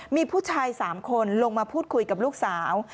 มีผู้ชาย๓คนลงมาพูดคุยกับลูกสาว